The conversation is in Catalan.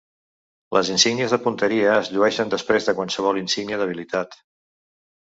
Les insígnies de punteria es llueixen després de qualsevol insígnia d'habilitat.